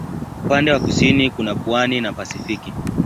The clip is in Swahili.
Upande wa kusini kuna pwani na Pasifiki.